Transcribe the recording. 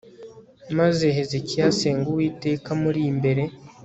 maze hezekiya asenga uwiteka amuri imbere